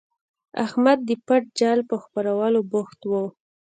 احمد د پټ جال په خپرولو بوخت وو.